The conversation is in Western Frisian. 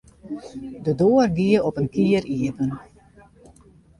De doar gie op in kier iepen.